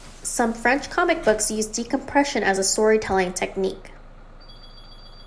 Some French comicbooks use decompression as a storytelling technique.